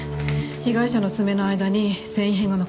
被害者の爪の間に繊維片が残ってた。